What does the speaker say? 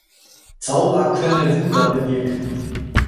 Zauber könne Wunder bewirken.